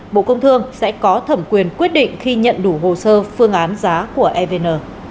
bộ công thương sẽ có thẩm quyền quyết định khi nhận đủ hồ sơ phương án giá của evn